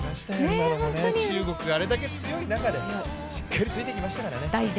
今の、中国があれだけ強い中でしっかり、ついていきましたから。